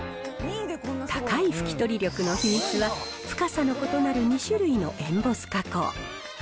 高い拭き取り力の秘密は、深さの異なる２種類のエンボス加工。